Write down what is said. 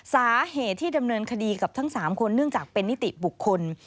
สาเหตุที่ดำเนินคดีกับทั้ง๓คนเนื่องจากเป็นนิติบุคคล